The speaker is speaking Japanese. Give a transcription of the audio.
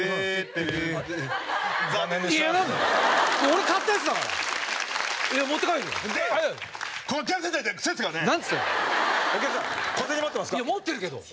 いや持ってるけど。